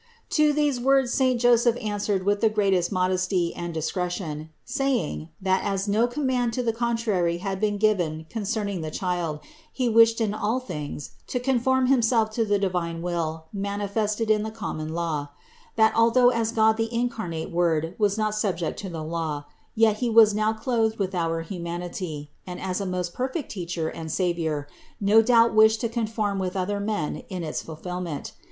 To these words 438 CITY OF GOD saint Joseph answered with the greatest modesty and discretion, saying, that, as no command to the contrary had been given concerning the Child he wished in all things to conform himself to the divine will manifested in the common law; that, although as God the incarnate Word was not subject to the law, yet He was now clothed with our humanity, and, as a most perfect Teacher and Savior, no doubt wished to conform with other men in its fulfillment.